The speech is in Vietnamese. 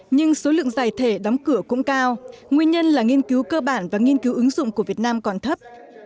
nhưng số lượng giải thể đóng cửa cũng cao nguyên nhân là nghiên cứu cơ bản và nghiên cứu ứng dụng của việt nam còn thấp